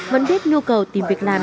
vẫn biết nhu cầu tìm việc làm